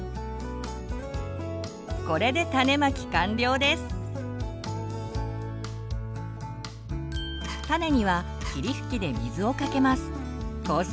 これで種まき完了です。